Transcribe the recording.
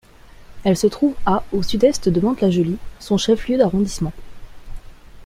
Elle se trouve à au sud-est de Mantes-la-Jolie, son chef-lieu d'arrondissement.